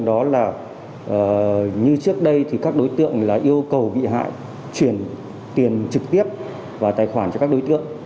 đó là như trước đây thì các đối tượng là yêu cầu bị hại chuyển tiền trực tiếp vào tài khoản cho các đối tượng